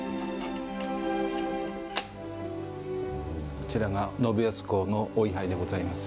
こちらが信康公のお位はいでございます。